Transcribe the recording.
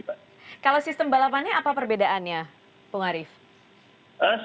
kalau sistem balapannya apa perbedaannya bung arief